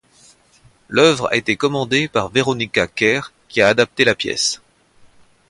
L'œuvre a été commandée par Veronika Kær, qui a adapté la pièce.